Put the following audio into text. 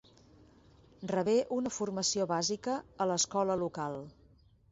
Rebé una formació bàsica a l'escola local.